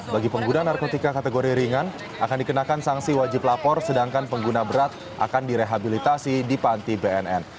bagi pengguna narkotika kategori ringan akan dikenakan sanksi wajib lapor sedangkan pengguna berat akan direhabilitasi di panti bnn